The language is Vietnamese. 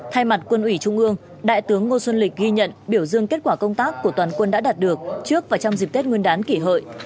thay mặt quân ủy trung ương đại tướng ngô xuân lịch ghi nhận biểu dương kết quả công tác của toàn quân đã đạt được trước và trong dịp tết nguyên đán kỷ hợi